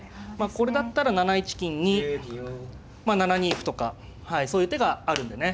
これだったら７一金に７二歩とかそういう手があるんでね。